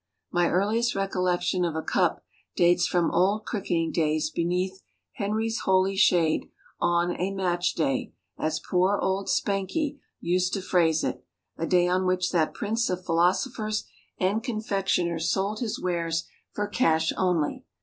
My earliest recollection of a cup dates from old cricketing days beneath "Henry's holy shade," on "a match day" as poor old "Spanky" used to phrase it; a day on which that prince of philosophers and confectioners sold his wares for cash only.